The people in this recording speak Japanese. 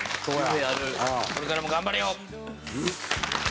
これからも頑張れよ！